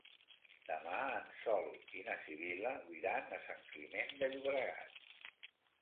Demà en Sol i na Sibil·la iran a Sant Climent de Llobregat.